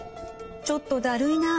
ちょっとだるいなあ。